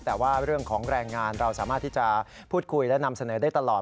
แต่ว่าเรื่องของแรงงานเราสามารถที่จะพูดคุยและนำเสนอได้ตลอด